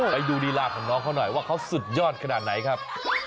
ไปดูลีลาของน้องเขาหน่อยว่าเขาสุดยอดขนาดไหนครับ